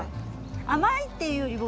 甘いっていうよりも。